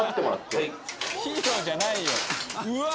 ヒーローじゃないようわ！